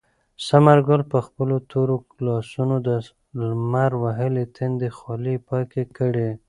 ثمر ګل په خپلو تورو لاسونو د لمر وهلي تندي خولې پاکې کړې.